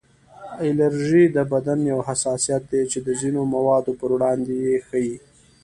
الرژي د بدن یو حساسیت دی چې د ځینو موادو پر وړاندې یې ښیي